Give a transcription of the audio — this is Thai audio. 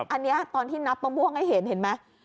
อันนี้ตอนที่นับมะม่วงให้เห็นเห็นไหม